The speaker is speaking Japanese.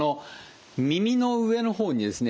耳の上の方にですね